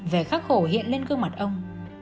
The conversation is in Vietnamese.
vẻ khắc khổ hiện lên gương mặt ông